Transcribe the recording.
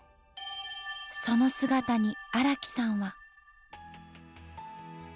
その姿に荒木さんは。